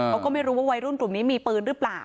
เขาก็ไม่รู้ว่าวัยรุ่นกลุ่มนี้มีปืนหรือเปล่า